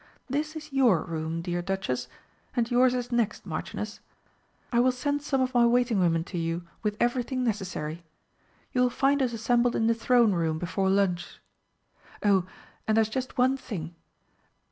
This is your room, dear Duchess, and yours is next, Marchioness. I will send some of my waiting women to you with everything necessary. You will find us assembled in the Throne Room before lunch.... Oh, and there's just one thing.